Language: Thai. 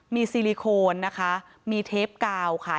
มีซิลิโคนนะคะมีเทปกาวค่ะ